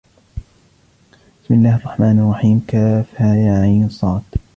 بِسْمِ اللَّهِ الرَّحْمَنِ الرَّحِيمِ كهيعص